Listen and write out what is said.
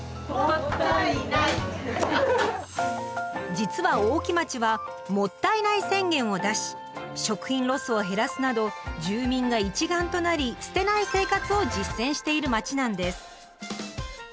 実は大木町は「もったいない宣言」を出し食品ロスを減らすなど住民が一丸となり捨てない生活を実践している町なんです。